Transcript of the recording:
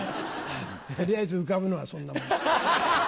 取りあえず浮かぶのはそんなもん。